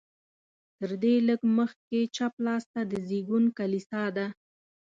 تر دې لږ مخکې چپ لاس ته د زېږون کلیسا ده.